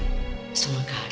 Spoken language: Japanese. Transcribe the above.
その代わり。